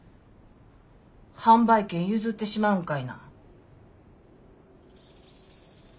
販売権譲ってしまうんかいな。